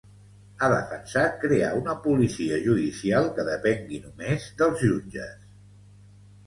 Ha defensat crear una policia judicial que depengui només dels jutges.